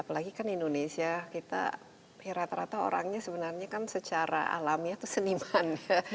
apalagi kan indonesia kita ya rata rata orangnya sebenarnya kan secara alami atau seniman